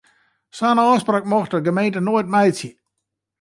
Sa'n ôfspraak mocht de gemeente noait meitsje.